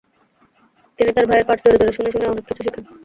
তিনি তার ভাইয়ের পাঠ জোরে জোরে শুনে শুনে অনেক কিছু শিখেন।